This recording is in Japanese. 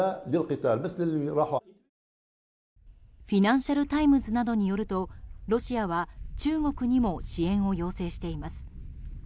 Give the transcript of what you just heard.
フィナンシャル・タイムズなどによるとロシアは中国にも支援を要請しています。